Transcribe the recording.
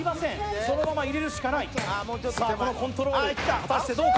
そのまま入れるしかない、コントロール果たしてどうか？